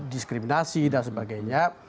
diskriminasi dan sebagainya